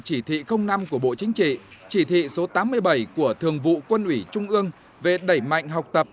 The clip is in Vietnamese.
chỉ thị năm của bộ chính trị chỉ thị số tám mươi bảy của thường vụ quân ủy trung ương về đẩy mạnh học tập